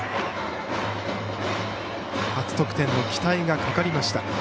初得点の期待がかかりました。